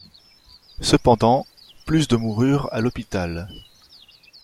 Cependant, plus de moururent à l'hôpital.